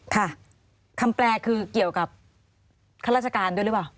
ค่ะคำแปลคือเกี่ยวกับข้าราชการด้วยหรือเปล่า